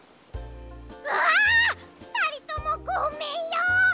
ああっふたりともごめんよ！